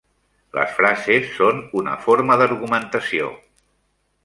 Les frases són una forma d'argumentació.